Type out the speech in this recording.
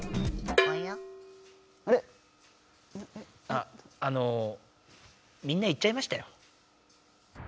ああのみんな行っちゃいましたよ。